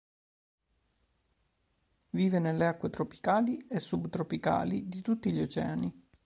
Vive nelle acque tropicali e subtropicali di tutti gli oceani.